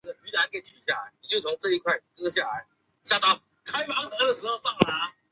主要经营钢铁产品。